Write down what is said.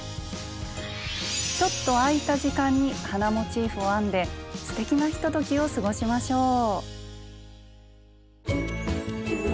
ちょっと空いた時間に花モチーフを編んですてきなひとときを過ごしましょう！